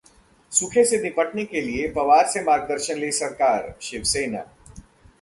सूखे से निपटने के लिए पवार से मार्गदर्शन ले सरकार: शिवसेना